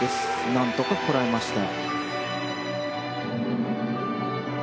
なんとかこらえました。